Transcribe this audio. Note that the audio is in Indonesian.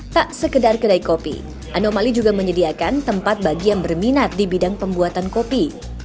tak sekedar kedai kopi anomali juga menyediakan tempat bagi yang berminat di bidang pembuatan kopi